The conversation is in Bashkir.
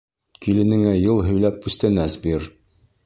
Киленеңә йыл һөйләп күстәнәс бир.